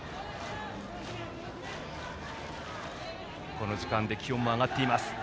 この時間で気温も上がっています。